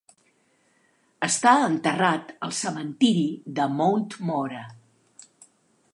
Està enterrat al cementiri de Mount Mora.